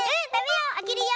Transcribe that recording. あけるよ。